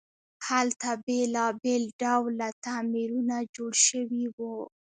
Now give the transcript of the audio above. هلته بیلابیل ډوله تعمیرونه جوړ شوي وو.